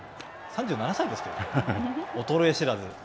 ３７歳ですけど、衰え知らず。